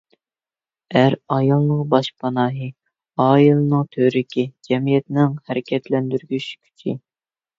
ئەر – ئايالنىڭ باشپاناھى، ئائىلىنىڭ تۈۋرۈكى، جەمئىيەتنىڭ ھەرىكەتلەندۈرگۈچ كۈچى.